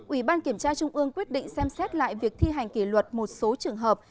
ủy ban kiểm tra trung ương quyết định xem xét lại việc thi hành kỷ luật một số trường hợp